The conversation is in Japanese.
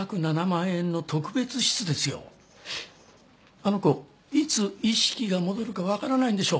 あの子いつ意識が戻るかわからないんでしょ？